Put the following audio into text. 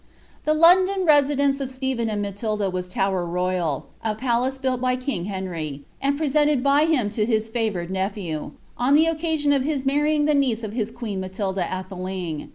The London residence of Stephen and Matilda was Tower Royal, a palace built by king Henry, and presented by him to his favoured nephew, on the occaaion of his wedding the niece of his queen Matilda Atheling.